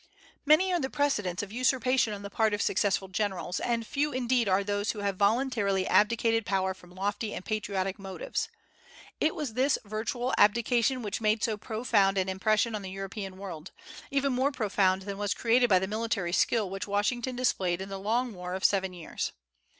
Many are the precedents of usurpation on the part of successful generals, and few indeed are those who have voluntarily abdicated power from lofty and patriotic motives. It was this virtual abdication which made so profound an impression on the European world, even more profound than was created by the military skill which Washington displayed in the long war of seven years.